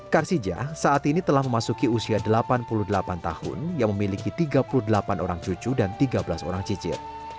karsija saat ini telah memasuki usia delapan puluh delapan tahun yang memiliki tiga puluh delapan orang cucu dan tiga belas orang cicit